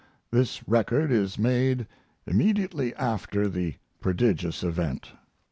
This record is made immediately after the prodigious event.